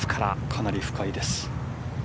かなり深いです。